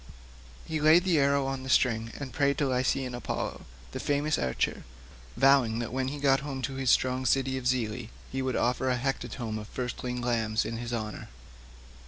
He laid the arrow on the string and prayed to Lycian Apollo, the famous archer, vowing that when he got home to his strong city of Zelea he would offer a hecatomb of firstling lambs in his honour.